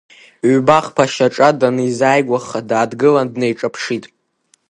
Ҩба-хԥа шьаҿа данизааигәаха, дааҭгылан днеиҿаԥшит…